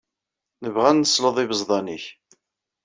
Nebɣa ad nesleḍ ibeẓḍan-nnek.